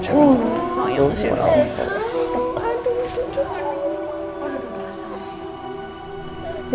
tengok lihat siapa